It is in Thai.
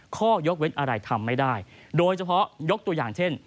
ข้อยกเว้นอะไรทำไม่ได้โดยเฉพาะยกตัวอย่างเช่น